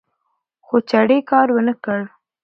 خو چړې کار ونکړ